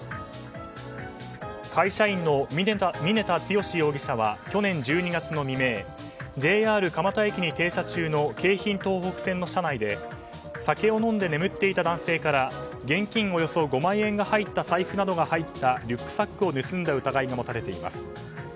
会社員の峯田剛容疑者は去年１２月の未明ＪＲ蒲田駅に停車中の京浜東北線の車内で酒を飲んで眠っていた男性から現金およそ５万円が入った財布などが入ったリュックサックを盗んだ疑いが持たれています。